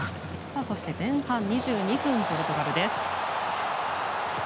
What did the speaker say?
そして前半２２分ポルトガルです。